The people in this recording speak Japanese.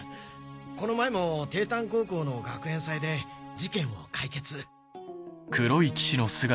この前も帝丹高校の学園祭で事件を解決。